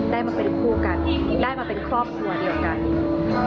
ได้มาเป็นคู่กันได้มาเป็นครอบครัวเดียวกันอืม